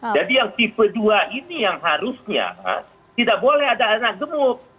jadi yang tipe dua ini yang harusnya tidak boleh ada anak gemuk